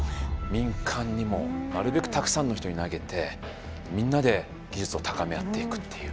民間にもなるべくたくさんの人に投げてみんなで技術を高め合っていくっていう。